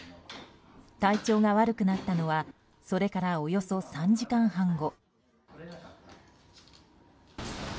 体調が悪くなったのはそれからおよそ３時間半後。